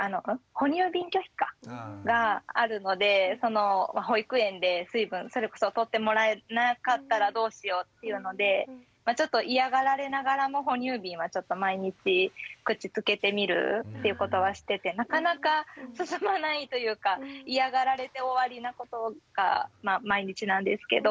哺乳瓶拒否かがあるので保育園で水分それこそとってもらえなかったらどうしようっていうのでちょっと嫌がられながらも哺乳瓶はちょっと毎日口つけてみるっていうことはしててなかなか進まないというか嫌がられて終わりなことが毎日なんですけど。